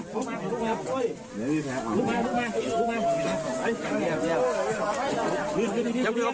สุดท้าย